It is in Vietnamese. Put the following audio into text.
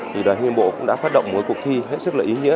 đoàn thanh niên bộ cũng đã phát động một cuộc thi hết sức lợi ý nghĩa